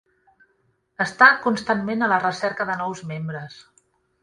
Està constantment a la recerca de nous membres.